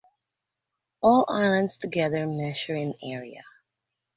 All islands together measure in area.